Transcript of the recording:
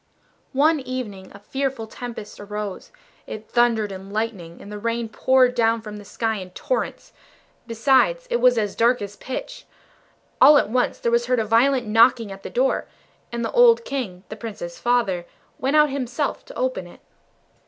One evening a fearful tempest arose, it thundered and lightened, and the rain poured down from the sky in torrents: besides, it was as dark as pitch. All at once there was heard a violent knocking at the door, and the old King, the Prince's father, went out himself to open it.